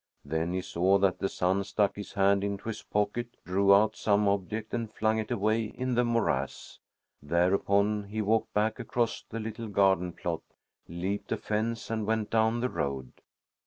Then he saw that the son stuck his hand into his pocket, drew out some object, and flung it away in the morass. Thereupon he walked back across the little garden plot, leaped a fence, and went down the road.